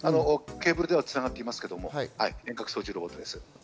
ケーブルでは繋がっていますけれども、遠隔作業です。